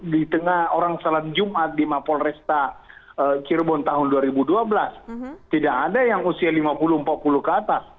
di tengah orang salat jumat di mapol resta cirebon tahun dua ribu dua belas tidak ada yang usia lima puluh empat puluh ke atas